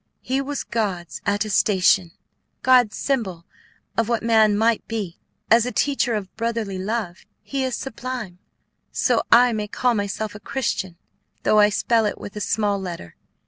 He was God's attestation, God's symbol of what Man might be. As a teacher of brotherly love, he is sublime. So I may call myself a christian, though I spell it with a small letter.